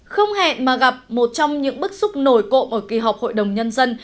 không hẹn mà gặp một trong những bức xúc nổi cộ ở kỳ họp hội đồng nhân dân